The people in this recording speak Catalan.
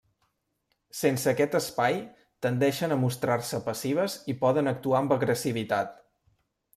Sense aquest espai, tendeixen a mostrar-se passives i poden actuar amb agressivitat.